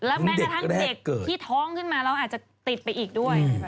และแม้กระทั่งเด็กที่ท้องอาจจะติดไปอีกด้วย